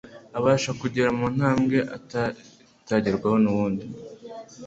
abasha kugera ku ntambwe itaragerwaho n'undi